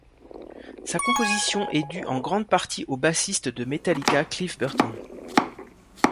Sa composition est due en grande partie au bassiste de Metallica Cliff Burton.